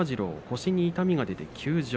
腰に痛みが出て休場。